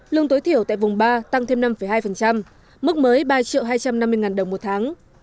lương tối thiểu tại vùng ba tăng thêm năm hai mức mới ba hai trăm năm mươi đồng một tháng